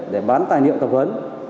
để bán tài niệm tẩm huấn